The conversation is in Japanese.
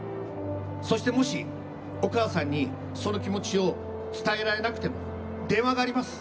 そして、もしお母さんにその気持ちを伝えられなくても電話があります。